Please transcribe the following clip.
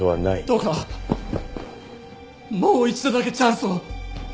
どうかもう一度だけチャンスを！